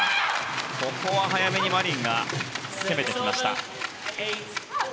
ここは早めにマリンが攻めてきました。